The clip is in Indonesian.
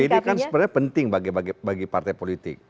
ini kan sebenarnya penting bagi partai politik